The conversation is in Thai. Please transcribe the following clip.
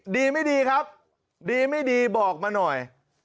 ดีไม่ดีครับดีไม่ดีบอกมาหน่อย